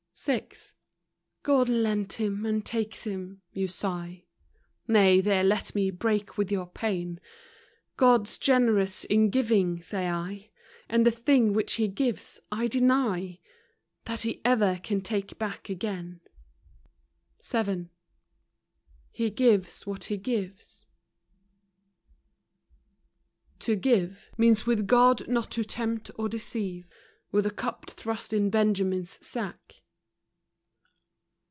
ONLY A CURL. 39 I VI. " God lent him and takes him," you sigh ;— Nay, there let me break with your pain: God's generous in giving, say I,— And the thing which He gives, I deny That He ever can take back again. VII. He gives what He gives. To give, . Means with God not to tempt or deceive With a cup thrust in Benjamin's sack.